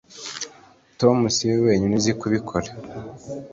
tom siwe wenyine uzi kubikora.